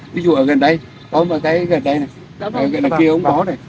ví dụ ở gần đây gần đây này gần kia ông bó này